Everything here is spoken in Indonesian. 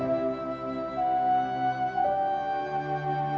pesek air papi